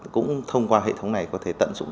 cũng thông qua hệ thống này có thể tận dụng